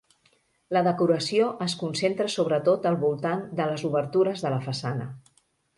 La decoració es concentra sobretot al voltant de les obertures de la façana.